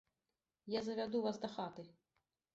Я завяду вас дахаты.